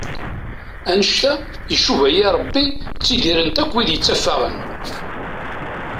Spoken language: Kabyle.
Annect-a icuba-iyi Rebbi ttidiren-t akk wid yetteffaɣen.